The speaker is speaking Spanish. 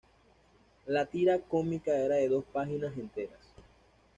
La tira cómica era de dos páginas enteras.